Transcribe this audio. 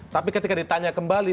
tapi ketika ditanya kembali